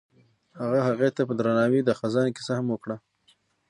هغه هغې ته په درناوي د خزان کیسه هم وکړه.